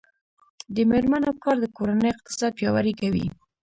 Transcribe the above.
د میرمنو کار د کورنۍ اقتصاد پیاوړی کوي.